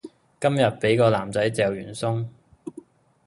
今日俾個男仔趙完鬆